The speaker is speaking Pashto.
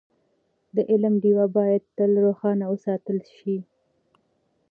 د علم ډېوه باید تل روښانه وساتل شي.